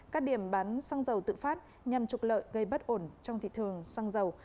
các điểm bán xăng dầu tự phát nhằm trục lợi gây bất ổn trong thị trường xăng dầu